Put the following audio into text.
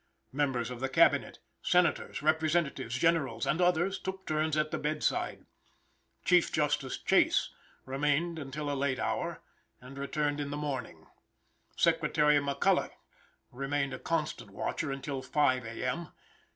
Members of the cabinet, senators, representatives, generals, and others, took turns at the bedside. Chief Justice Chase remained until a late hour, and returned in the morning. Secretary McCulloch remained a constant watcher until 5 A. M.